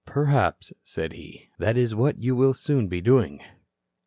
"Perhaps," said he, "that is what you will soon be doing."